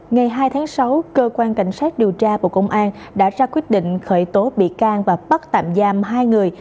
ngày hai tháng sáu cơ quan cảnh sát điều tra bộ công an đã ra quyết định khởi tố bị can và bắt tạm giam hai người